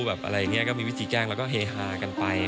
อะไรอย่างนี้ก็มีวิธีแจ้งแล้วก็เฮฮากันไป